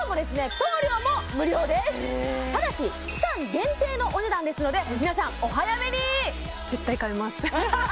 送料も無料ですただし期間限定のお値段ですので皆さんお早めに絶対買います